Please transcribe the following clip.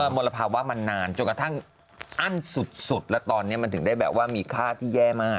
มลภาวะมันนานจนกระทั่งอั้นสุดแล้วตอนนี้มันถึงได้แบบว่ามีค่าที่แย่มาก